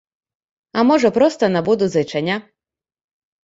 А можа, проста набуду зайчаня.